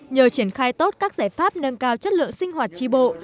nhờ triển khai tốt các giải pháp nâng cao chất lượng sinh hoạt tri bộ